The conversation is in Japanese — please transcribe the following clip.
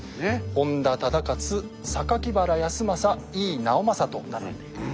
本多忠勝原康政井伊直政と並んでいますね。